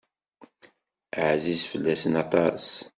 Ɛziz fell-asen aṭas.